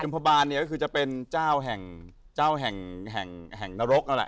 อยมพบาลก็คือจะเป็นเจ้าแห่งนรกนั่นแหละ